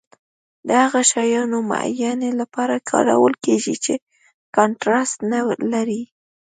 د هغو شیانو معاینې لپاره کارول کیږي چې کانټراسټ نه لري.